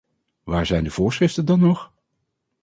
Waar zijn de voorschriften dan nog?